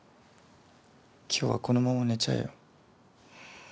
今日はこのまま寝ちゃえよ。